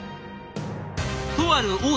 とある大手